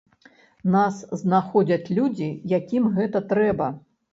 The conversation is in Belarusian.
Нас знаходзяць людзі, якім гэта трэба.